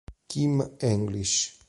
Kim English